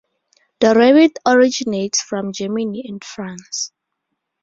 The rabbit originates from Germany and France.